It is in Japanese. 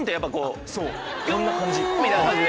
「くん」みたいな感じで。